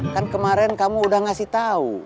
kan kemarin kamu udah ngasih tahu